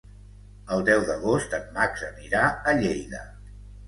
El deu d'agost en Max anirà a Lleida.